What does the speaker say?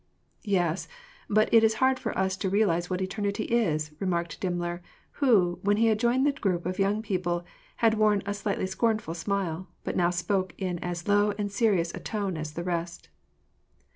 " Yes, but it is hard for us to realize what eternity is," re marked Dimmler, who, when he had joined the group of young people had worn a slightly scornful smile, but now spoke in as low and serious a tone as the rest.